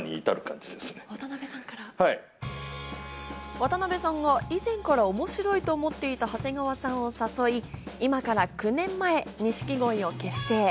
渡辺さんが、以前から面白いと思っていた長谷川さんを誘い、今から９年前、錦鯉を結成。